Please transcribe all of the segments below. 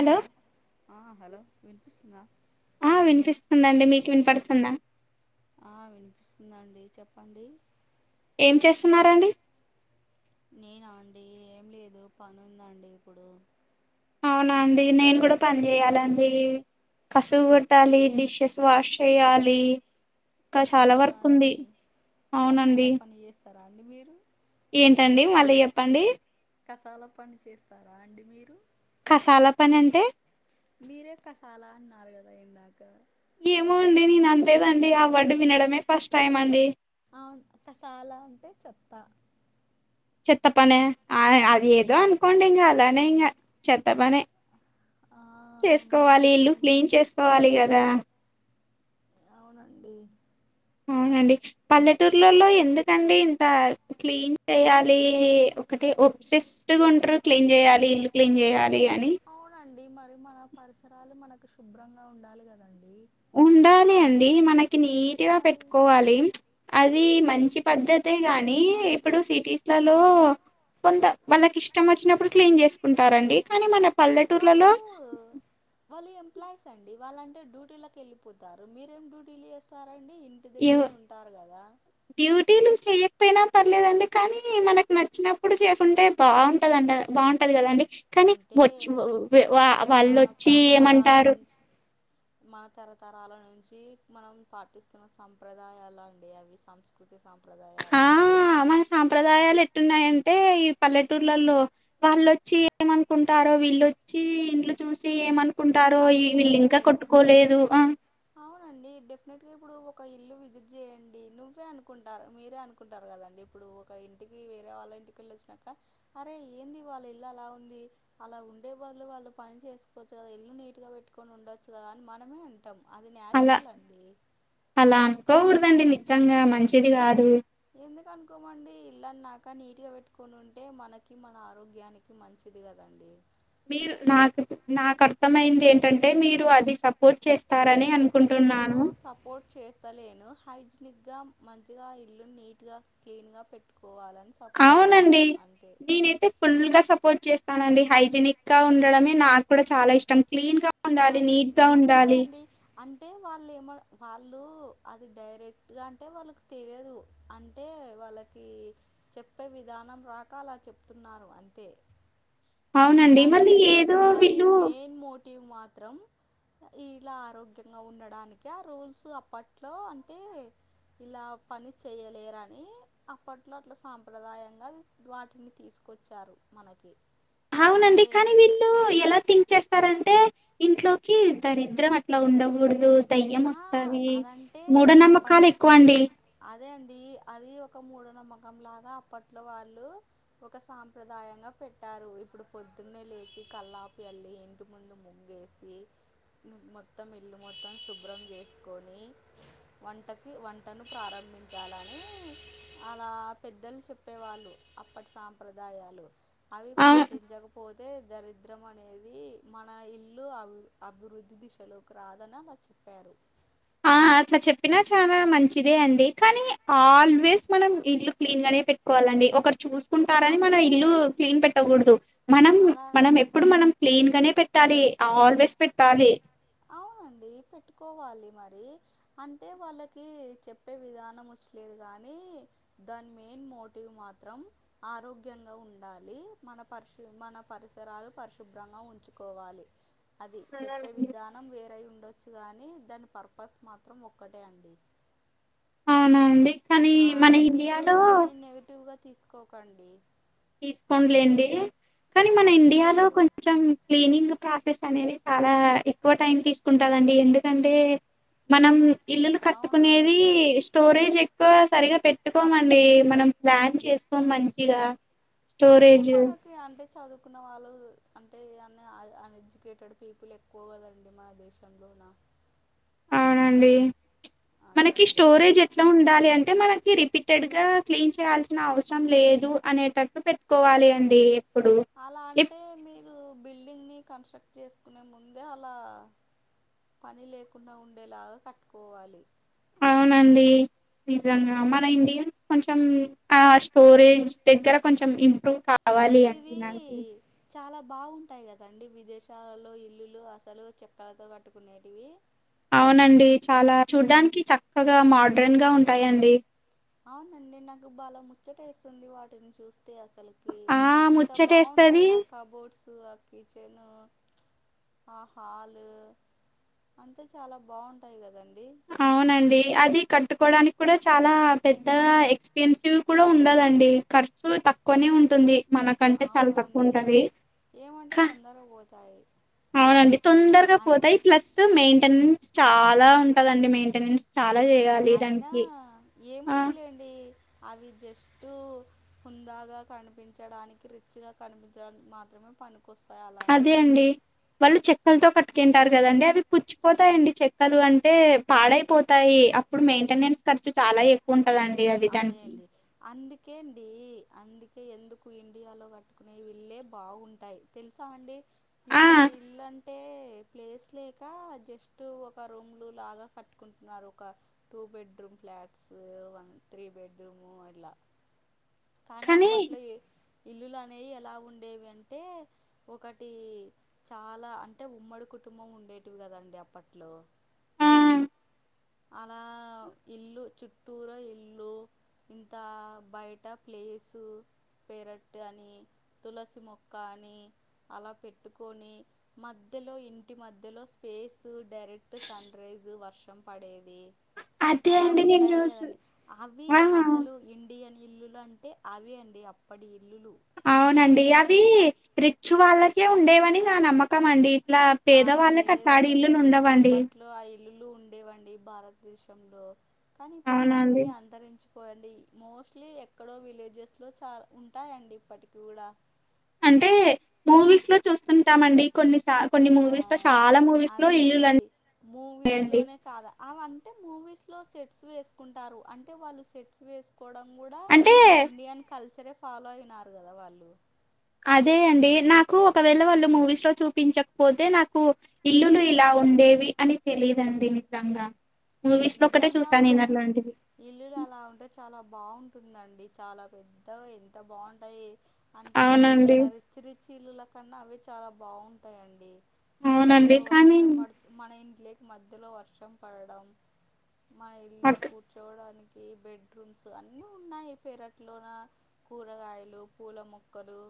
Hello ఆ hello వినిపిస్తుందా ఆ వినిపిస్తుందండి మీకు వినపడుతుందా ఆ వినిపిస్తుందండి చెప్పండి ఏం చేస్తున్నారండి నేనా అండి ఏం లేదు పని ఉందండి ఇప్పుడు అవునా అండి నేను కూడా పని చేయాలండి కసువు గోట్టాలి డిషెస్ వాష్ చేయాలి ఇంకా చాలా అవునా వర్క్ ఉంది అవునండి తర అండి మీరు ఏంటండి మళ్ళీ చెప్పండి కసాల పని చేస్తారా అండి మీరు కసాలా పని అంటే మీరే కసాలా అన్నారు కదా ఇందాక ఏమో అండి నేను అన్లేదండి ఆ వర్డ్ వినడమే ఫస్ట్ టైం అండి అవున్ కసాల అంటే చెప్త చెత్త పన ఆద్ అది ఏదో అనుకోండి ఇంగ అలానే ఇంగ చెత్త పనే ఆ అవునా చేసుకోవాలి అండి ఇల్లు క్లీన్ చేసుకోవాలి కదా అవునండి అవునండి పల్లెటూర్లలో ఎందుకండి ఇంత క్లీన్ చేయాలి ఒకటి ఒప్సిస్ట్గా ఉంటారు క్లీన్ చేయాలి ఇల్లు క్లీన్ చేయాలి అని అవునండి మరి మన పరిసరాలు మనకు శుభ్రంగా ఉండాలి కదండీ ఉండాలి అండి మనకి నీట్గా మరి పెట్టుకోవాలి అది మంచి పద్ధతే గాని ఇప్పుడు సిటీస్లలో కొంత వాళ్ళకి ఇష్టం వచ్చినప్పుడు క్లీన్ చేసుకుంటారండి కానీ మన పల్లెటూర్లలో వాళ్ళు వాళ్ళు ఎంప్లాయీస్ అండి వాళ్ళంటే డ్యూటీ లకు వెళ్ళిపోతారు మీరేం డ్యూటీలు చేస్తారండి ఇంటి ఎవ్ దగ్గరే ఉంటారు కదా డ్యూటీలు చెయకపోయినా పర్లేదండి కానీ మనకు నచ్చినప్పుడు చేసుకుంటే బాగుంటదండి బాగుంటది కదండి కానీ అంటే మనం వచ్చ వా మన వాళ్ళోచ్చి తరతరాల ఏమంటారు నుంచి మన తరతరాల నుంచి మనం పాటిస్తున్న సంప్రదాయాలు అండి అవి సంస్ కృతి ఆ సాంప్రదాయాలు మన సాంప్రదాయాలు ఎట్టున్నాయంటే ఈ పల్లెటూర్లలో వాళ్ళొచ్చి ఏమనుకుంటారో వీళ్ళొచ్చి ఇళ్ళు చూసి ఏమను కుంటారో ఈ అంటే వీళ్ళు ఇంకా కట్టుకోలేదు అ అవునండి డెఫినెట్ గా ఇప్పుడు ఒక ఇల్లు విజిట్ చేయండి నువ్వే అనుకుంటా మీరే అన్ కుంటారు కదండి ఇప్పుడు ఒక ఇంటికి వేరే వాళ్ళ ఇంటికి వెళ్ళి వచ్చినాక అరే ఏంది వాళ్ళ ఇల్లు అలా ఉంది అలా ఉండే బదులు వాళ్ళు పని చేసుకోవచ్చు కదా ఇల్లు నీట్గా పెట్టుకోని ఉండోచ్చు కదా అని మనమే అం అది న్యాచురల్ అండి అలానుకోకూడదండి నిజంగా మంచిది గాదు ఎందుకు అనుకోమండి ఇల్లన్నాక నీట్గ పెట్టుకొని ఉంటే మనకి మన ఆరోగ్యానికి మంచిది కదండి మీరు నాకు నాకర్థమయింది ఏంటంటే మీరు అది సపోర్ట్ చేస్ స్తారని నేను అనుకుంటున్నాను సపోర్ట్ చేస్తలేను హైజినిక్ గ మంచిగా ఇల్లును నీట్ గ క్లీన్ గ పెట్టుకోవాలని స్ సపోర్ట్ చేస్తాను అంతే ఫుల్గ సపోర్ట్ చేస్ తా నండి హైజెనిక్ గ ఉండడమే నాక్కూడ చాలా ఇష్టం క్లీన్ గా ఉండాలి మరి నీట్ గా ఇంక అంతే ఉండాలి అండి అంటే వాళ్లేమను వాళ్ళు అది డైరెక్ట్గ అంటే వాళ్ళకి తెలియదు అంటే వాళ్ళకి చెప్పే విధానం రాక అలా చెప్తున్నారు అంతే అవునండి కానీ మళ్ళీ ఏదో దాని వీళ్ళు మెయిన్ మోటివ్ మాత్రం ఇలా ఆరోగ్యంగా ఉండడానికె ఆ రూల్స్ అప్పట్లో అంటే ఇలా పని చేయలేరని అప్పట్లో అట్ల సాంప్రదాయంగ వాటిని తీసుకొచ్చారు మనకి అవునండి అంటే కాని వీల్ లూ ఎలా థింక్ చేస్తారంటే ఇంట్లోకి దరిద్రం అట్ల ఉండకూడదు దయ్యమొస్తది అదంటే మూఢనమ్మకాలు అప్పట్ ఎక్కువ అండి అదే అండి అది ఒక మూఢనమ్మకం లాగా అప్పట్లో వాళ్ళు ఒక సాంప్రదాయంగ పెట్టారు ఇప్పుడు పొద్దున్నే లేచి కల్లాపు జల్లి ఇన్ టి ముందు ముగ్గేసి మొత్తం ఇల్లు మొత్తం శుభ్రం చేసుకొని వంటకి వంటను ప్రారంభించాలని అలా పెద్దలు చెప్ ప్పేవాళ్ళు అప్పటి సాంప్రదాయాలు అవి అవు పాటించకప్ పోతే దరిద్రం అనేది మన ఇల్లు అబ్ అభివృద్ధి దిశలోకి రాదని అలా చెప్ ప్పారు ఆ అట్ల చెప్పినా చాలా మంచిదే అండి కనీ ఆల్వేస్ మనం ఇల్లు క్లీన్ గనే పెట్ కోవాలండి ఒకరు చూసుకుంటారని మనం అంటే ఇల్లు క్లీన్ పెట్టకూడదు మనం అలా మనమెప్ ప్పుడు మనం క్లీన్ గనే పెట్టాలి ఆల్వేస్ పెట్టాలి అవునండి పెట్టుకోవాలి మరి అంటే వాళ్ళకి చెప్పే విధానం వచ్చిలేదు గానీ దాని మెయిన్ మోటివ్ మాత్రం ఆరోగ్యంగ ఉండాలి మన పరిశు మన పరిసరాలు పరిశుభ్రంగా ఉంచుకోవాలి అది చెప్పే అవునండి విధానం వేరై ఉండొచ్చు కానీ దాని పర్పస్ మాత్రం ఒక్కటే అండి అవునండి. కానీ ఆ మన మీరు ఇండియాలో దాన్ని నెగటివ్గ తీసుకోకండి తీసుకోంలేండి కనీ మన ఓకే ఇండియాలో అండి కొంచెం క్లీనింగ్ ప్రాసెస్ అనేది చాలా ఎక్కువ టైం తీసుకుంటదండి ఎందుకంటే మనం ఇల్లులు అవునండి కట్టుకునేది స్టోరేజ్ ఎక్కువ సరిగ పెట్టుకోమండి మనం ప్లాన్ చేసుకోం మంచిగా అంటే స్టోరేజ్ మనకి అంటే చదువుకున్న వాళ్ళు అంటే అన్ని అన్ఎడ్యుకేటెడ్ పీపుల్ ఎక్ క్కువ గదండి మన దేశంలోనా అవునండి అదే మనకి అండి స్టోరేజ్ అలా ఎట్ల ఉండాలి అన్ టే మనకి రిపీటెడ్ గ క్లీన్ చేయాల్సిన అవసరం లేదు అనేటట్టు పెట్టుకోవాలి అండి ఎప్పుడు అలా ఎప్ అంటే మీరు బిల్డింగ్ని కన్స్ట్రక్ట్ చేసుకునే ముందే అలా పని లేకుండా ఉండేలాగ కట్టుకోవాలి అవునండి నిజంగా మన ఇండియన్స్ కొంచెం ఆ స్టోరేజ్ దగ్గర కొంచెం ఇంప్రూవ్ కా ఇది చాలా బాగుంటాయ్ కదండి విదేశాలలో ఇల్లులు అసలు చెక్కలతో కట్టుకునేటివి అవునండి చాలా చూడ్డానికి చక్కగా మోడ్రన్ గా ఉంటాయండి అవునండి నాకు బాల ముచ్చటెస్తుంది వాటిని చూస్తే అసలు కె ఆ ఎంత బాగుంటాయొ ముచ్చటేస్తది ఆ కబోర్డ్స్ అ కిచెన్ ఆ హాలు అంతే చాలా బాగుంటాయ్ గదండి అవునండి అది కట్టుకోడానికి కూడా చాలా పెద్దగా ఎక్స్పెన్సివ్ కూడా ఉండదండి ఖర్చు తక్కువనే ఉంటుంది మనకంటే చాల్ అవునండి తక్కువుంటది ఏమంటే క తొందరగా పోతాయి అవునండి తొందరగా అన్ పోతాయి ప్లస్ మెయింటెనెన్స్ చాలా ఉంటదండి మెయింటెనెన్స్ చాలా జెయాలి దాన్కి ఏముందిలెండి అవి జస్టు హుందాగా కనిపించడానికి రిచ్ గా కనిపించడానికి మాత్రమె పనికొస్తాయ్ అలాంటి అదే ఇల్లు అండి వాళ్ళు చెక్కలతో కట్టికుంటారు కదండి అవి పుచ్చిపోతాయండి చెక్కలు అంటే పాడైపోతాయి అప్పుడు మెయింటెన్స్ ఖర్చు చాలా ఎక్ ఎక్కువుంటదండి అద్ అదే అండి అందుకేన్డి అందుకే ఎందుకు ఇండియాలో కట్టుకునే యిళ్ళే బాగుంటాయ్ తెలుసాఅండి ఆ ఇప్పడి ఇళ్లన్ అంటే ప్లేస్ లేక జస్ట్ ఒక రూమ్లు లాగా కట్టుకుంటున్నారు ఒక two bedroom flats one three bedroom అలా కానీ అప్పట్ల ఇ ఇల్లులు అనేవి ఎలా ఉండేవి అంటే ఒకటి చాలా అంటే ఉమ్మడి కుటుంబం ఉండేటివి కదండి అప్పట్లో ఆ అలా ఇల్లు చుట్టూర ఇల్లు ఇంత బయట ప్లేసు పెరట్ అని తులసి మొక్క అని అలా పెట్టుకొని మధ్యలో ఇంటి మధ్యలో స్పేసు డైరెక్ట్ సన్ రైజు వర్షం పడేది అదే అలా అండి నేను ఉంటాయ్ చూసి కదండి అవి ఆ అసలు ఇ డియని ఇల్లులు అంటే అవి అండి అప్పటి ఇల్లులు అవునండి అవి రిచ్ వాళ్ళకే ఉండేవని నా నమ్మకం అండి ఇట్లా పేదవాళ్ళకి అట్లాడి ఇల్లులు ఉండవండి. లో ఆ ఇల్లులు ఉండేవండి భారతదేశంలో కానీ ఇప్పుడు అవునండి అవన్నీ అంతరించి పోన్డి మోస్ట్లీ ఎక్కడో విలేజెస్లో చా ఉంటాయండి ఇప్పటికి కూడా అంటే మూవీస్ లో చూస్తుంటామండి కొన్ని సా కొన్ని ఆ మూవీస్ లో చాలా మూవీస్ లో అవీ ఇల్లులుంటాయండి మూవీస్ లోనే కాద అవంటే మూవీస్లో సెట్స్ వేసుకుంటారు అంటే వాళ్ళు సెట్స్ వేస్ కొడం గూడా అంటే ఇండియన్ కల్చరే ఫాలో అయినారు కదా వాళ్ళు అదే అండి నాకు ఒకవేళ వాళ్ళు మూవీస్ లో చూపించక్పోతే నాకు ఇల్లులు ఇలా ఉండేవి అని తెలీదండి నిజంగా మూవీస్ లో ఒక్కటే నిజంగా చూశా నేన్ అట్లాంటివి ఇల్లులు అలా ఉంటే చాలా బాగుంటుందండి చాలా పెద్దగా ఎంత బాగుంటాయి అంటే అవునండి ఇట్లా రిచ్ రిచ్ ఇలులకన్నా అవే చాలా బాగుంటాయండి. అవునండి మధ్యలో కానీ వర్షం పడుతు మన ఇంట్లోకి మధ్యలో వర్షం పడడం మా ఇల్లు అక్క కూర్చోవడానికి బెడ్రూమ్స్ అన్నీ ఉన్నాయి పేరట్లోన కూరగాయలు పూల మొక్కలు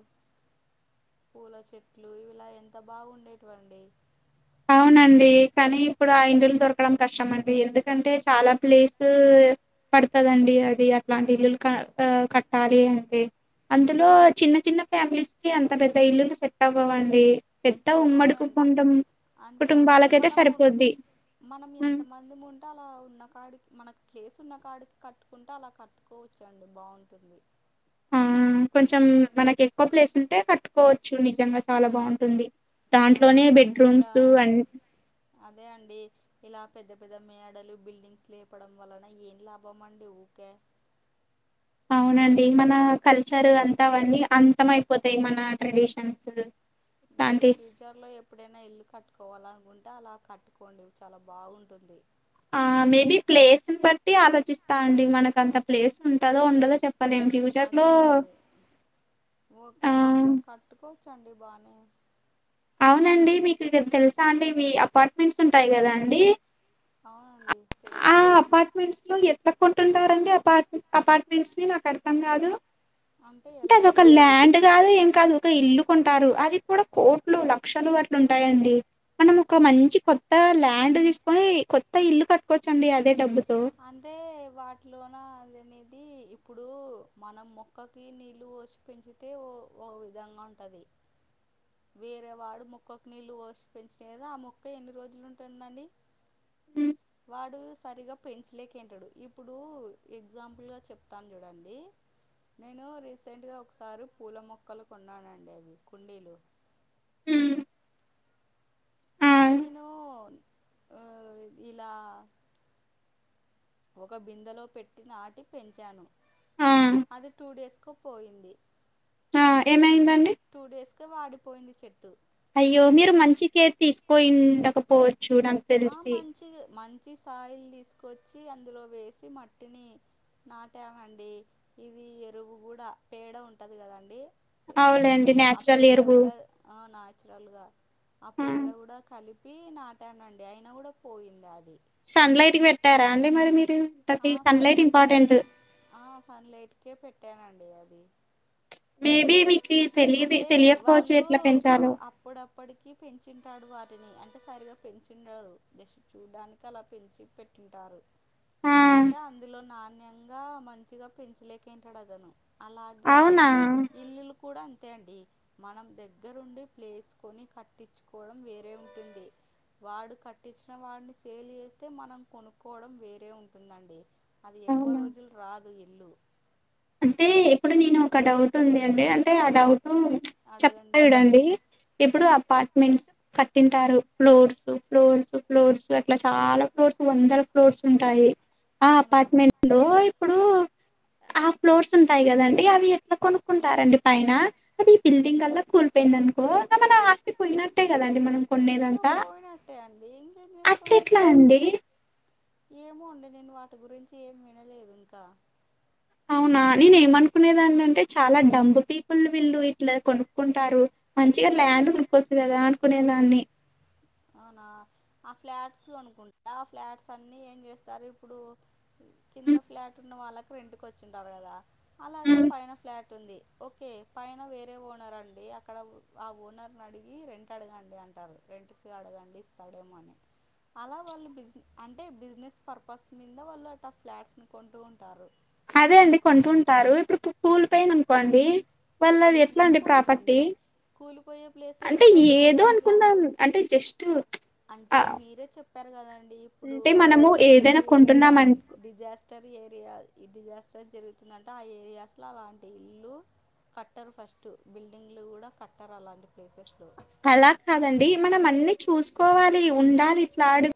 పూల చెట్లు ఇలా ఎంత బాగుండేటివండి. అవునండి కానీ ఇప్పుడు ఆ ఇండ్లులు దొరకడం కష్టం అండి ఎందుకంటే చాలా ప్లేసు పడుతుదండి అది అట్లాంటి ఇల్లులు క కట్టాలి అంటే అందులో చిన్న చిన్న ఫ్యామిలీస్ కి అంత పెద్ద ఇల్లులు సెట్ అవ్వవండీ. పెద్ద ఉమ్మడి అవునండి కుటుంబం అంటే కుటుంబాలకైతే మనము సరిపోద్ది మనం హ్మ్. ఎంత మంది అందు ఉంటే అలా ఉన్న కాడికి మనకు ప్లేస్ ఉన్న కాడికి కట్టుకుంటే అలా కట్టుకోవచ్చుండి బాగుంటుంది ఆ కొంచెం మనకి ఎక్కువ ప్లేస్ ఉంటే కట్టుకోవచ్చు నిజంగా చాలా బాగుంటుంది ఆ దాంట్లోనే ఇలా బెడ్రూమ్స్ అన్ని అదే అండి ఇలా పెద్ద పెద్ద మేడలు బిల్డింగ్స్ లేపడం వలన ఏం లాభం అండి ఊకే అవునండి మన కల్చర్ అంతా అవన్నీ అంతం అయిపోతాయి మన ట్రెడిషన్స్ మీరు ఇట్లాంటి ఫి ఫ్యూచర్లో ఎప్పుడైనా ఇల్లు కట్టుకోవాలనుకుంటే అలా కట్టుకోండి చాలా బాగుంటుంది. ఆ మేబీ ప్లేస్ ని బట్టి ఆలోచిస్తా అండి మనకు అంత ప్లేస్ ఉంటదో ఉండదో చెప్ అదే ఒక ఆ కట్టుకోవచ్చండి బానే అవునండి మీకు తెలుసా అండి మీ అపార్ట్మెంట్స్ ఉంటాయి కదా అండి అవునండి తెలుసు మెంట్ లో ఎట్లా కొంటుంటారడి అపార్ అపార్ట్మెంట్స్ ని నాకు అర్థం కాదు అంటే ఎలా అదొక అండి ల్యాండ్ కాదు ఏం కాదు ఒక ఇల్లుకొంటారు అది కూడా కోట్లు లక్షలు అట్లుంటాయండి. మనం ఒక మంచి కొత్త ల్యాండ్ తీసుకొని కొత్త ఇల్లు కట్టుకోవచ్చండి అదే డబ్బుతో అంటే వాటిలోన అనేది ఇప్పుడు మనం మొక్కకి నీళ్ళు పోసి పెంచితే ఓ ఒక విధంగా ఉంటది. వేరే వాడు మొక్కకు నీళ్ళు పోసి పెంచినే కదా ఆ మొక్క ఎన్ని రోజులు ఉంటుందండి. ఉమ్, వాడు సరిగా పెంచు లేకే అంటాడు ఇప్పుడు ఎగ్జాంపుల్ గా చెప్తాను చూడండి నేను రీసెంట్గా ఒకసారి పూల మొక్కలు కొన్నానండి అవి కుండీలు ఉం అవి నేను హు ఇలా ఒక బిందలో పెట్టి నాటి పెంచాను ఆ అది టూ డేస్కు పోయింది ఆ ఏమైందండి టూ డేస్ కే వాడిపోయింది చెట్టు అయ్యో మీరు మంచి కేర్ తీసుకోయి ఉండకపోవ ఆ మంచిదే మంచి సాయిల్ తీసుకొచ్చి అందులో వేసి మట్టిని నాటా మండి ఇది ఎరువు కూడా పేడ ఉంటది కదండి అవులేండి ఆ న్యాచురల్ పేడ ఎరువు కూడా ఆ న్యాచురల్ గా ఆ పేడ కూడా కలిపి నా టానండి అయినా కూడా పోయింది అది సన్ లైట్ కి పెట్టారా అండి మరి మీరు ఆ సన్ లైట్ సన్లైట్కి ఇంపార్టెంట్ కూడా ఆ సన్లైట్కే పెట్టానండి అది మేబి మీకి తెలిదు తెలియకపోవచ్చు ఎట్ల పెంచాలో అప్పుడప్పడికిీ పెంచుంటాడు వాటిని అంటే సరిగా పెంచిండడు జస్ట్ చూడానికి అలా పెంచి పెట్ పెటింటారు ఆ అంటే అందులో నాణ్యంగా మంచిగా పెంచలేకేంటాడు అతను అలాగే అవునా ఇల్లులు కూడా అంతే అండి మనం దగ్గరుండి ప్లేసుకొని కట్టిచుకోడం వేరే ఉంటుంది. వాడు కట్టించిన వాడిని సేల్ చేస్తే మనం కొనుక్కోవడం వేరే ఉంటుందండి అది ఎక్కువ అవునా రోజులు రాదు ఇల్లు అంటే ఇప్పుడు నేను ఒక డౌట్ ఉంది అండి అంటే ఆ డౌటు చెప్తా అడగండి చూడండి ఎప్పుడు అపార్ట్మెంట్స్ కట్టింటారు ఫ్లోర్స్ ఫ్లోర్స్ ఫ్లోర్స్ అట్లా చాలా ఫ్లోర్స్ వందల ఫ్లోర్స్ ఉంటాయి ఆ అవునండి అపార్ట్మెంట్ లో ఇప్పుడు ఆ ఫ్లోర్స్ ఉంటాయి కదాండి అవి ఎట్లా కొనుక్కుంటారండి పైన అది ఈ బిల్డింగ్ అల్లా కూల్పోయింది అనుకో మన ఆస్తి పోయినట్టే కదండి మనం ఇంకా కొనేదంతా పోయినట్టే అండి ఇంకేం చేస్తాం అట్లేట్లా అండి ఏమో అండి నేను వాటి గురించి ఏం వినలేదు ఇంకా అవునా నేనేమనుకునేదాన్ని అంటే చాలా డంబ్ పీపుల్ వీళ్ళు ఇట్లా కొనుక్కుంటారు. మంచిగా ల్యాండ్ కొనుక్కొచ్చ కదా అనుకునేదాన్ని అవునా ఆ ఫ్లాట్స్ అనుకుంటా ఆ ఫ్లాట్స్ అన్ని ఏం చేస్తారు ఇప్పుడు కింద హ్మ్, ఫ్లాట్ ఉన్న వాళ్ళకి రెంట్కి వచ్చింటారు కదా అలాగే హ్మ్. పైన ఫ్లాట్ ఉంటుంది ఓకే పైన వేరే ఓనర్ అండి అక్కడ ఆ ఓనర్ని అడిగి రెంట్ అడగండి అంటారు. రెంటికి అడగండి ఇస్తాడేమో అని అలా వాళ్ళు బిజ్ నీ అంటే బిజినెస్ పర్పస్ మింద వాళ్ళు అట ఫ్లాట్స్ నీ కొంటూ ఉంటారు అదే అండి కొంటు ఉంటారు ఇప్పుడు కూల్ పోయింది అనుకోండి వాళ్ళ అది ఎందుకు ఎట్లా అండి ప్రాపర్టీ కూలిపోతుందండి కూలిపోయే ప్లేస్ అంటే ఏదో అనుకునాన్ను అంటే జస్ట్ అ అంటే మీరే చెప్పారు కదండి ఇప్పుడు అంటే మనము ఇప్పుడు ఏదైనా ఏవైనా కొంటున్నాం అను డిజాస్టర్ ఏరియా ఈ డిజాస్టర్ జరుగుతుందంటే ఆ ఏరియాస్లో అలాంటి ఇల్లు కట్టరు ఫస్ట్ బిల్డింగ్లు కూడా కట్టరు అలాంటి ప్లేసెస్ లో అలాగ్ కాదండి మనం అన్ని చూసుకోవాలి ఉండాలి ఇట్లా ఆడు